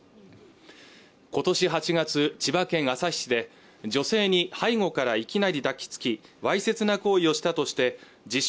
今年８月千葉県旭市で女性に背後からいきなり抱きつきわいせつな行為をしたとして自称